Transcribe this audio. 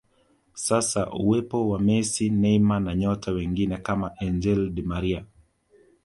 Sasa uwepo wa Messi Neymar na nyota wengine kama Angel di Maria